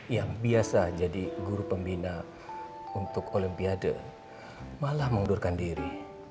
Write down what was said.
yang biasa jadi guru pembina untuk olimpiade malah mengundurkan diri